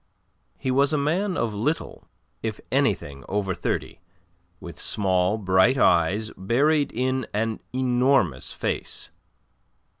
He was a man of little, if anything, over thirty, with small bright eyes buried in an enormous face.